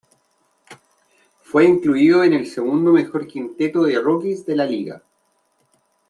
Fue incluido en el segundo mejor quinteto de rookies de la liga.